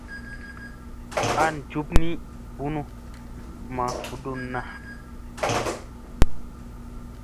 An jup ni bunu maa vudunna.